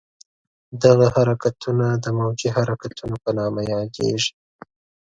دغه حرکتونه د موجي حرکتونو په نامه یادېږي.